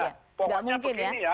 nah pokoknya begini ya